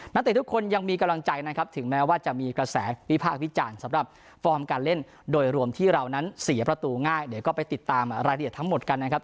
เตะทุกคนยังมีกำลังใจนะครับถึงแม้ว่าจะมีกระแสวิพากษ์วิจารณ์สำหรับฟอร์มการเล่นโดยรวมที่เรานั้นเสียประตูง่ายเดี๋ยวก็ไปติดตามรายละเอียดทั้งหมดกันนะครับ